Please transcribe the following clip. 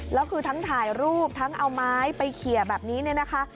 แล้วคือทั้งถ่ายรูปทั้งเอาไม้ไปเขียแบบนี้เนี่ยนะคะ